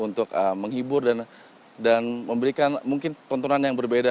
untuk menghibur dan memberikan mungkin tontonan yang berbeda